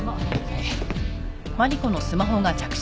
はい。